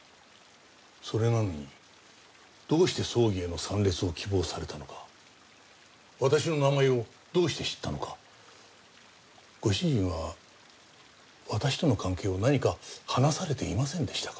それなのにどうして葬儀への参列を希望されたのか私の名前をどうして知ったのかご主人は私との関係を何か話されていませんでしたか？